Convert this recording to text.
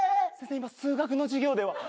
今数学の授業では？